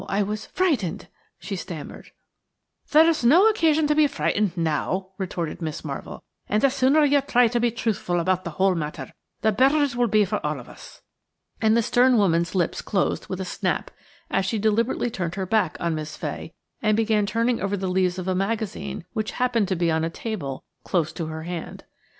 I was frightened," she stammered. "There's no occasion to be frightened now," retorted Miss Marvell, "and the sooner you try and be truthful about the whole matter, the better it will be for all of us." And the stern woman's lips closed with a snap, as she deliberately turned her back on Miss Fay and began turning over the leaves of a magazine which happened to be on a table close to her hand.